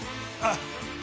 あっ。